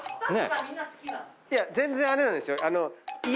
いや全然あれなんですよ。